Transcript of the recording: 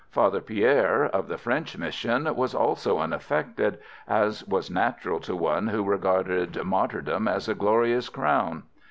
Father Pierre of the French Mission, was also unaffected, as was natural to one who regarded martyrdom as a glorious crown.